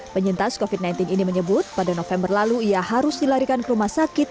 penyintas covid sembilan belas ini menyebut pada november lalu ia harus dilarikan ke rumah sakit